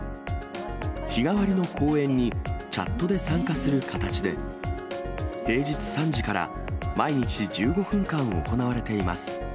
日替わりの講演にチャットで参加する形で、平日３時から毎日１５分間行われています。